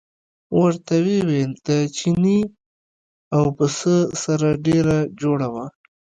ورته ویې ویل د چیني او پسه سره ډېره جوړه وه.